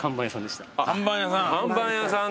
看板屋さん。